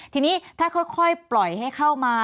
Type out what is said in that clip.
ทีนี้ถ้าค่อยปล่อยให้เข้ามา